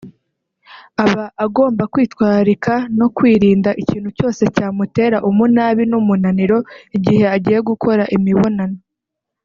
aba agomba kwitwararika no kwirinda ikintu cyose cyamutera umunabi n’umunaniro igihe agiye gukora imibonano